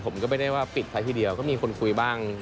ผมก็ไม่ได้ว่าปิดท้ายทีเดียวก็มีคนคุยบ้าง